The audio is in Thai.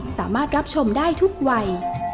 สามารถรับชมได้ทุกวัย